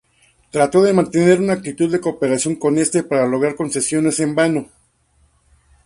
Trató de mantener una actitud de cooperación con este para lograr concesiones, en vano.